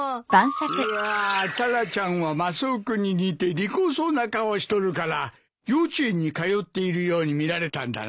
いやタラちゃんはマスオ君に似て利口そうな顔をしとるから幼稚園に通っているように見られたんだな。